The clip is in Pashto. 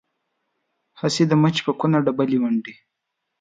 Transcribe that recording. هسې د مچ په کونه ډبلی منډي.